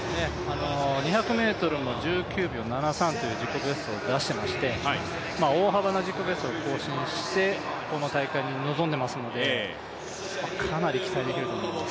２００ｍも１９秒７３という自己ベストを出していまして、大幅な自己ベストを更新してこの大会に臨んでますのでかなり期待できると思います。